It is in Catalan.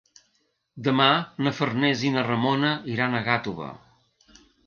Demà na Farners i na Ramona iran a Gàtova.